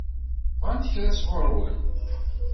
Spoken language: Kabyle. Bɣant kra sɣur-wen?